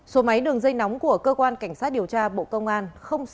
số máy đường dây nóng của cơ quan cảnh sát điều tra bộ công an